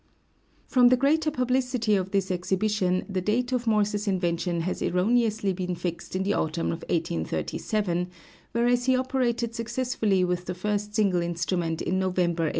From the greater publicity of this exhibition the date of Morse's invention has erroneously been fixed in the autumn of 1837, whereas he operated successfully with the first single instrument in November, 1835.